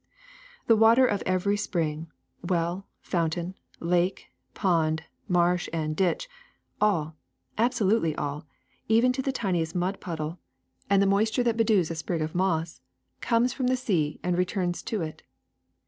*^The water of every spring, well, fountain, lake, pond, marsh, and ditch — all, absolutely all, even to the tiniest mud puddle and the moisture that bedews SNOW 349 a sprig of moss — comes from the sea and returns to it.